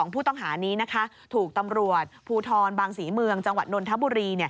ผู้ต้องหานี้ถูกตำรวจภูทรบางศรีเมืองจังหวัดนนทบุรี